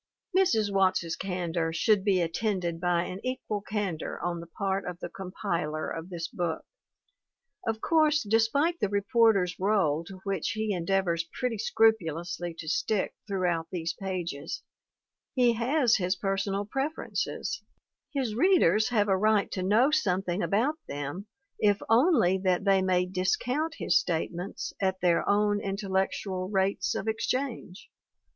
MARY S. WATTS 187 Mrs. Watts's candor should be attended by an equal candor on the part of the compiler of this book. Of course, despite the reporter's role to which he en deavors pretty scrupulously to stick throughout these pages, he has his personal preferences ; his readers have a right to know something about them if only that they may discount his statements at their own intel lectual rales of exchange.